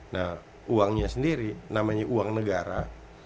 nah uangnya sendiri namanya uang negara